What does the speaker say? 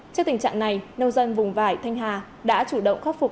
trước tình trạng này nông dân vùng vải thanh hà đã chủ động khắc phục